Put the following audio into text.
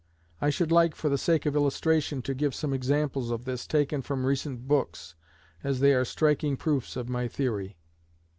I should like, for the sake of illustration, to give some examples of this taken from recent books, as they are striking proofs of my theory.